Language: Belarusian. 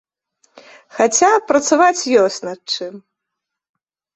Хаця, працаваць ёсць над чым.